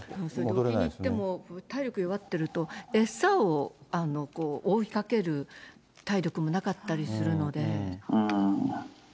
沖に行っても、体力弱ってると、餌を追いかける体力もなかったりするので。